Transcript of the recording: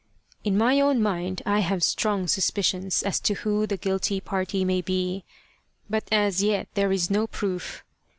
" In my own mind I have strong suspicions as to who the guilty party may be, but as yet there is no proof.